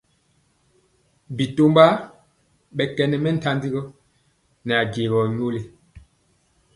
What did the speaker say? Bitomba ɓɛ kɛ mɛntanjigɔ nɛ ajegɔ nyoli.